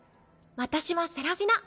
私はセラフィナ。